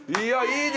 いい！